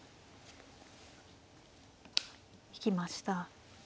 引きました。